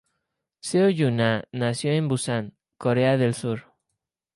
Seo Yu-na nació en Busan, Corea del Sur.